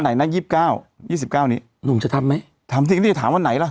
ไหนนะ๒๙๒๙นี้หนูจะทำไหมทำที่นี่จะทำวันไหนล่ะ